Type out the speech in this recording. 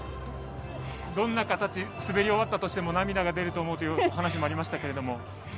滑り終わったとしても涙が出ると思うという話もありましたけども。